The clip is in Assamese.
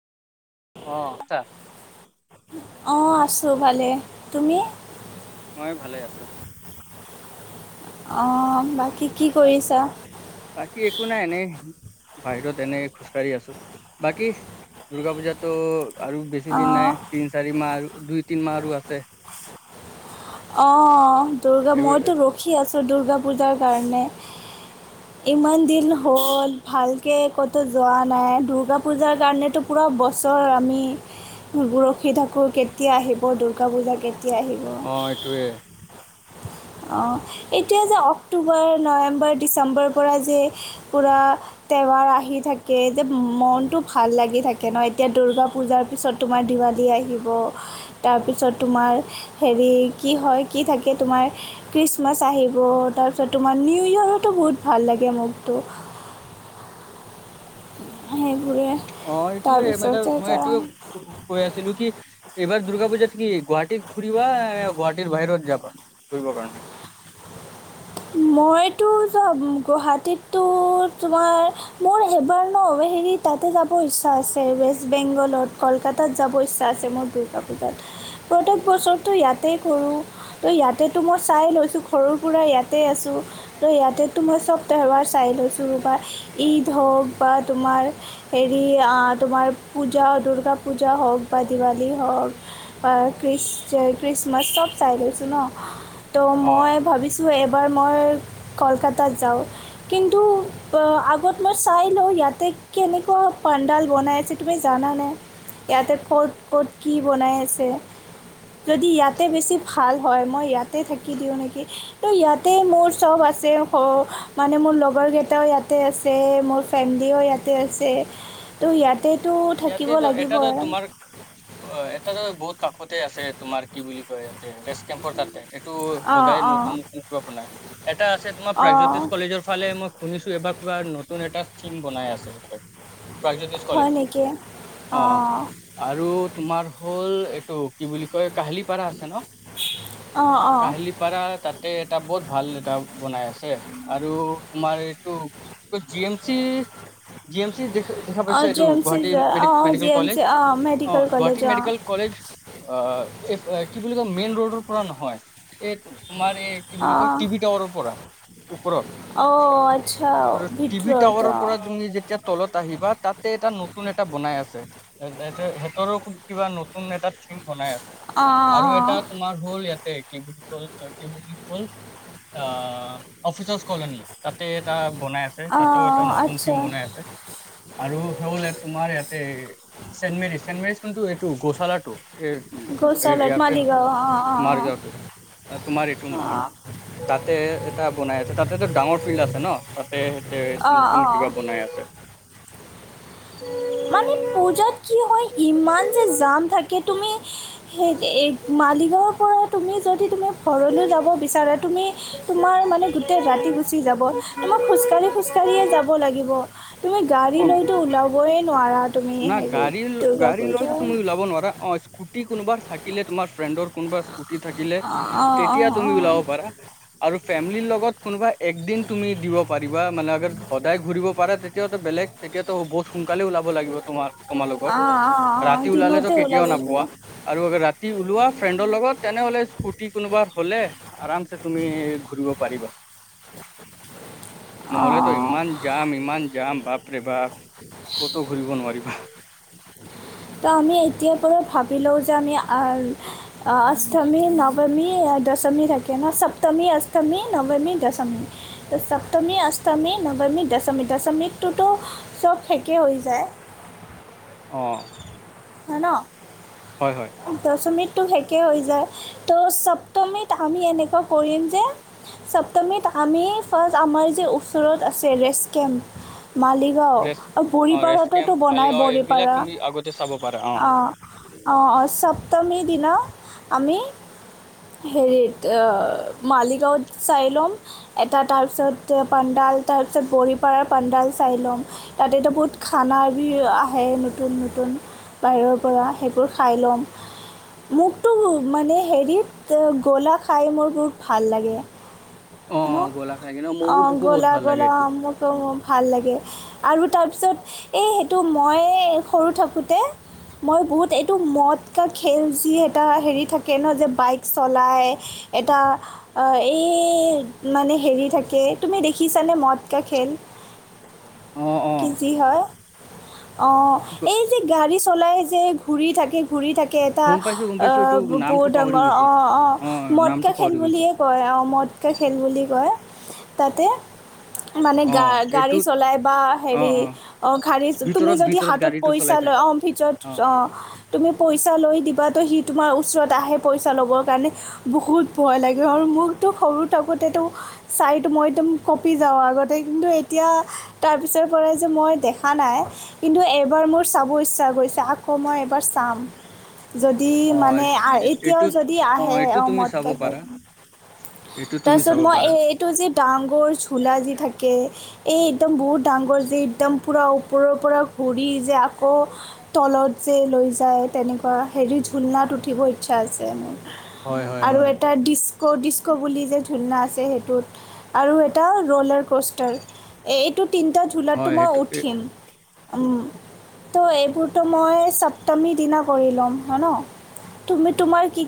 অ শুনিছা অ আছো ভালে তুমি মই ভালে আছোঁ অ বাকী কি কৰিছা বাকী একো নাই এনে বাহিৰত এনেই খোজকাঢ়ি আছো বাকী দুৰ্গা পূজাতো আৰু বেছি দিন অঁ নাই তিন চাৰি মাহ আৰু দুই তিন মাহো আছে অঁ দুৰ্গা এইবাৰ মইতো ৰখি আছোঁ দুৰ্গা পূজাৰ কাৰণে ইমান দিন হ'ল ভালকে ক'তো যোৱা নাই দুৰ্গা পূজাৰ কাৰণেতো পুৰা বছৰ আমি ৰখী থাকো কেতিয়া আহিব দূৰ্গা পূজা কেতিয়া আহিব হয়টোৱে [unintelligible] অঁ এতিয়া যে অক্টোবৰ নৱেম্বৰ ডিচেম্বৰৰ পৰা যে পূৰা টেবাৰ আহি থাকে যে মনটো ভাল লাগি থাকে ন এতিয়া দূৰ্গা পূজাৰ পিছত তোমাৰ [unintelligible] দিবালী আহিব তাৰপিছত তোমাৰ হেৰি কি হয় কি থাকে তোমাৰ খ্ৰীষ্টমাছ আহিব তাৰপিছত তোমাৰ নিউ ইয়েৰৰতো বহুত ভাল লাগে মোকতো [inaudible] হ অ এইটোয়ে মানে মই এইটোয়ে কৈ আছিলো কি এইবাৰ দূৰ্গা পুজাত কি গুৱাহাটীৰ ফুৰিবা গুৱাহাাটীৰ বাহিৰত যাবা ঘূৰিব কাৰণে [unintelligible] মইতো যব গুৱাহাটীততো তোমাৰ মোৰ এবাৰ ন [unintelligible] হেৰি তাতে যাব ইচ্ছা আছে ৱেষ্ট বেংগলত কলকাতাত যাব ইচ্ছা আছে মোৰ দূৰ্গা পূজাত প্ৰত্যেক বছৰটো ইয়াতে কৰো ত ইয়াতেটো মই চাই লৈছো সৰুৰে পৰা ইয়াতে [unintelligible] আছো ইয়াতে তোমাৰ চব তেওহাৰ চাই লৈছো বা ঈদ হওক বা তোমাৰ তোমাৰ হেৰি তোমাৰ পূজা দুৰ্গা পূজা হওক বা দিৱালী হওক খ্ৰীষ্ট খ্ৰীষ্টমাছ চব চাই লৈছো ন ত' অ মই ভাবিছো মই কলকাতা যাওঁ কিন্তু অ আগত মই চাই লও ইয়াতেই কেনেকোৱা পাণ্ডাল বনাাইছে তুমি জানা নানে ইয়াতে ক'ত ক'ত কি বনাই আছে? যদি ইয়াতে বেছি ভাল হয় মই ইয়াতে থাকি দিওঁ নেকি ত ইয়াতেই ইয়াতে মোৰ চব আছে, মানে মোৰ লগৰ কেইটাও ইয়াতে আছে, মোৰ ফেমিলিও ইয়াতে আছে। ত ইয়াত ইয়াতেতো এটাত তোমাৰ অ এটা বহুত কাষতে আছে তোমাৰ কি বুলি কয় ইয়াতে ৰেষ্ট কেম্পৰ তাত। এইটো অঁ সদায় অঁ নতুন নতুন কিবা বনাই। এটা আছে তোমাৰ অঁ প্ৰাগজ্যোতিষ কলেজৰ ফালে মই শুনিছোঁ, এবাৰ নতুন এটা থিম বনাই আছে প্ৰাগজ্যোতিষ হয় কলেজ। নেকি অ' অঁ আৰু তোমাৰ হ'ল এইটো কি বুলি কয় কাহিলীপাৰা আছে ন, অঁ অঁ কাহিলীপাৰা তাতে এটা বহুত ভাল এটা বনাই আছে, আৰু তোমাৰ এইটো G M C G M C দেখ দেখা অঁ পাইছা জি এইটো। এম চি গুৱাহাটী মেড অঁ অঁ G medical M college, C অঁ অ মেডিকেল গুৱাহাটী কলেজ অঁ মেডিকেল কলেজ এই কি বুলি কয় মেইন ৰোডৰ পৰা নহয়, এই তোমাৰ এই কি বুলি অঁ কয়, টিভি টাৱাৰৰ পৰা ওপৰত। অঁ আচ্ছা আৰু টিভি ভিতৰত টাৱাৰৰ অঁ পৰা তুমি যেতিয়া তলত আহিবা তাতে এটা নতুন নতুন এটা বনাই আছে সেইতৰো কিবা নতুন এটা [unintelligible] বনাই আছে। অঁ আৰু এটা অঁ তোমাৰ হল ইয়াতে কি বুলি বুলি ক'ল অ অফিচাৰছ কলনী। তাতে এটা বনাই আছে। তাতো এটা অঁ নতুন থিম আচ্ছা বনাই আছে। আৰু হেল এ তোমাৰ ইয়াতে চেণ্ট মেৰিজ, চেণ্ট মেৰিজ কিন্তু এইটো গোশালা টো। গৌচালত ইয়তে ন মালিগাঁও অঁ অঁ অঁ মাৰগাওটো তোমাৰ এইটো নহয়। তাতে এটা বনাই আছে, তাতেতো ডাঙৰ ফিল্ড আছে ন, তাতেতে অঁ অঁ নতুন অঁ কিবা বনাই আছে। [inaudible] [inaudible] মানে পূজাত কি হয়, ইমান যে জাম থাকে, তুমি সেই এই মালিগাঁৰ পৰা তুমি যদি তুমি ঘৰলৈ যাব বিচাৰা তুমি তোমাৰ মানে গোটেই ৰাতি গুচি যাব। তোমাক খোজকাঢ়ি খোজকাঢ়িয়ে যাব লাগিব। তুমি গাড়ী অ লৈতো ওলাবই নোৱাৰা। তুমি না হেৰিত গাড়ী, দুৰ্গা গাড়ী লৈতো পূজাত তুমি ওলাব নোৱাৰা। অ' স্কুটি কোনোবা থাকিলে তোমাৰ ফ্ৰেণ্ডৰ কোনবা। যদি থাকিলে অঁ অঁ তেতিয়া অঁ তুমি অঁ পাৰা আৰু ফেমিলি লগত কোনোবা এক দিন তুমি পাৰিবা মানে আগত সদায় ঘূৰিব পাৰে তেতিয়াও বেলেগ তেতিয়াতো বহুত সোনকালে ওলাব লাগিব তোমাৰ। তোমালোকক অঁ অঁ অঁ ৰাতি ওলালে তো দিনতে ওলাব কেতিয়াও লাগিব নাপোৱা। আৰু আৰু ৰাতি ওলোৱা ফ্ৰেণ্ডৰ লগত তেনেহ'লে স্কুটি কোনোবা হ'লে আৰামছে তুমি ঘূৰিব পাৰিবা। [unintelligible] নহলেতো অঁ ইমান যাম ইমান যাম বাপৰে বাপ ক'তো ঘূৰিব নোৱাৰিব। উ। তো আমি এতিয়াৰ পৰা ভাবি লওঁ যে আমি অষ্টমী, নৱমী দশমী থাকে ন সপ্তমী, অষ্টমী, নৱমী, দশমী, সপ্তমী অষ্টমী, নৱ মী, দশমী। দশমীটোতো চব শেষেই হৈ যায়। অঁ। হয় ন? দশমিত টো শেষয়ে হৈ যায়। ত' সপ্তমীত আমি এনেকুৱা কৰিম যে, সপ্তমীত আমি ফাৰ্ষ্ট আমাৰ যে ওচৰত আছে ৰেষ্ট কেম্প মালিগাঁও ৰেষ্ট অ ৰেষ্ট বৰিপাৰটোতো কেম্প বনাই। মালিগাঁও এইবিলাক বৰিপাৰা তুমি আগতে চাব পাৰা অ' অঁ অঁ সপ্তমী দিনা আমি হেৰিত মালিগাঁওত চাইলম, এটা তাৰপিছত পাণ্ডা ডাল তাৰ পিছত বৰিপাৰাৰ পাণ্ডাল চাই ল'ম তাতেতো বহুত খানা বি আহে নতুন। নতুন বাহিৰৰ পৰা, সেইবোৰ খাই ল'ম। মোকতো মানে হেৰিত গলা খাই মোৰ বহুত ভাল লাগে। অ হ গোলাঘাট ন ম অ মোকো বহুত গলা ভাল লাগে গলা এইটো মোৰ টো ভাল লাগে। আৰু তাৰপিছত এই সেইটো মই সৰু থাকোঁতে, মই বহুত এইটো মদ- খেল যি এটা হেৰি থাকে ন, যে বাইক চলাই, এটা এই মানে হেৰি থাকে। তুমি দেখিছানে মতকা খেল? অ অ কি যি হয়। অ। এই যে গাড়ী চলাই যে ঘূৰি থাকে ঘূৰি থাকে, এটা গম পাইছো গম অ পাইছো এইটো বহুত নামটো পাহৰি ডাঙৰ গৈছো অ অ নামটো মতকা খেল পাহৰি গৈছো বুলিয়ে কয় অ ম। খেল বুলি কয়। তাতে, মানে অ গা গাড়ী এইটোত চলাই বা হেৰি অ, গাড়ী তুমি ভিতৰত যদি ভিতৰত হাতত গাড়ীটো পইচা চলাই থাকে অ ফি অ অ [unintelligible] পইচা লৈ দিবাতো সি তোমাৰ ওচৰত আহে, পইচা ল'বৰ কাৰণে। বহুত ভয় লাগে আৰু মোৰ ত সৰু থাকোঁতেতো, চাইত মই একদম কঁপি যাওঁ আগতে, কিন্তু এতিয়া তাৰপিছ পিছৰ পৰাই যে মই দেখা নাই। কিন্তু এইবাৰ মোৰ চাব ইচ্ছা গৈছে। আকৌ মই এবাৰ তাম। যদি অ', মানে এতিয়াও এইটোত যদি আহে, এইটো অ' তুমি মদ চাব কেখে পাৰা, এইটো তুমি তাৰপিছত চাব মই, পাৰা। এই-এইটো যে ডাঙৰ ঝোলা যে থাকে, এই একদম বহুত ডাঙৰ যে, একদম পুৰা ওপৰৰ পৰা ঘূৰি যে, আকৌ তলত যে লৈ যায়, তেনেকুৱা হেৰি ঝুলনাত উঠিব ইচ্ছা আছে মোৰ। হয়, হয়, আৰু হয়। এটা ডিচ ক' ডিস্ক' বুলি যে ঝুলনা আছে সেইটোত। আৰু এটা ৰ'লাৰ কষ্টাৰ। এইটোত তিনিটা ঝোলাতটো হয়, মই সেইটো উঠিম। তো এইবোৰতো মই চ তমি দিনা কৰি ল'ম হয় ন? তুমি তোমাৰ কি